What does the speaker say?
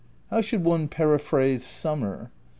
"How should one periphrase summer?